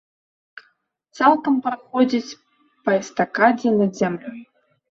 Цалкам праходзіць па эстакадзе над зямлёй.